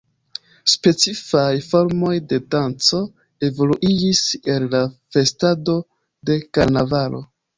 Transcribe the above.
Specifaj formoj de danco evoluiĝis el la festado de karnavalo.